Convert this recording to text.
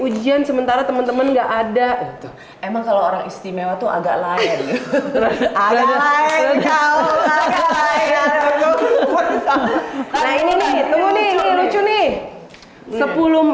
ujian sementara temen temen enggak ada itu emang kalau orang istimewa tuh agak lain agak lain kau